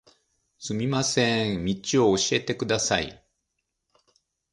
すみません、道を教えてください。